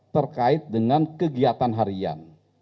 terkait dengan kegiatan harian